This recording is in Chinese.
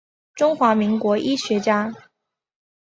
中华民国医学家。